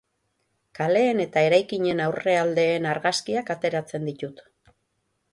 Kaleen eta eraikinen aurrealdeen argazkiak ateratzen ditut.